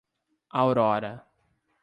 Aurora